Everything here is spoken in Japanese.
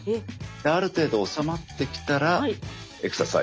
ある程度治まってきたらエクササイズ。